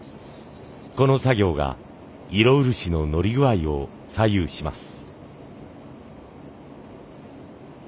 この作業が色漆ののり具合を左右します。